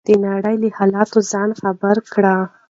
د نړۍ له حالاتو ځان خبر کړئ.